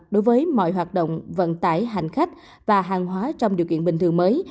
đối với mọi hoạt động vận tải hành khách và hàng hóa trong điều kiện bình thường mới